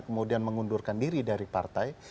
kemudian mengundurkan diri dari partai